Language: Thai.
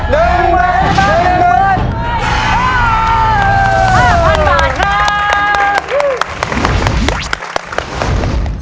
๕๐๐๐บาทครับ